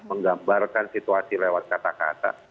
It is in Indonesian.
menggambarkan situasi lewat kata kata